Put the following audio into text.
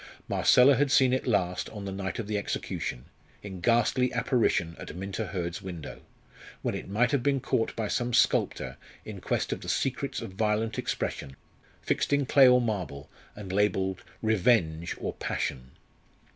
Marcella had seen it last on the night of the execution, in ghastly apparition at Minta Hurd's window, when it might have been caught by some sculptor in quest of the secrets of violent expression, fixed in clay or marble, and labelled "Revenge," or "Passion."